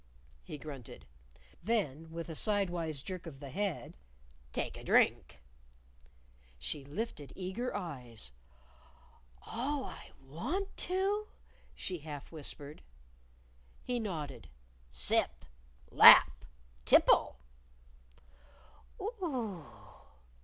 he grunted; then, with a sidewise jerk of the head, "Take a drink." She lifted eager eyes. "All I want to?" she half whispered. He nodded. "Sip! Lap! Tipple!"